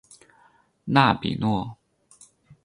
纳比诺。